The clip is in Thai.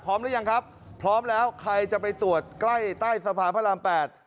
หรือยังครับพร้อมแล้วใครจะไปตรวจใกล้ใต้สะพานพระราม๘